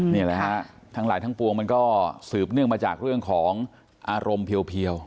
นี่แหละฮะทั้งหลายทั้งปวงมันก็สืบเนื่องมาจากเรื่องของอารมณ์เพียว